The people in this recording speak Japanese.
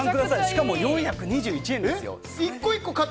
しかも４２１円ですよ。